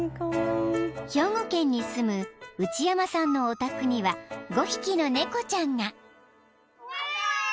［兵庫県に住む内山さんのお宅には５匹の猫ちゃんが］